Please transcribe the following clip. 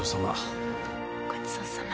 ごちそうさま。